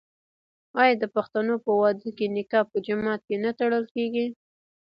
آیا د پښتنو په واده کې نکاح په جومات کې نه تړل کیږي؟